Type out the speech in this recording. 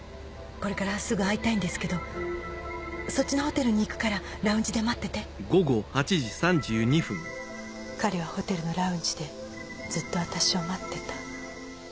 これからすぐ会いたいんですけどそっちのホテルに行くからラウンジで待ってて彼はホテルのラウンジでずっと私を待ってた。